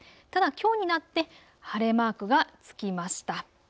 ただ、きょうになって晴れマークがつきました。